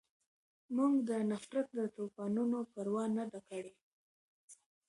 مونږ د نفرت د طوپانونو پروا نه ده کړې